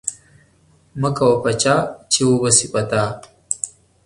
مکوه په چا چی و به سی په تا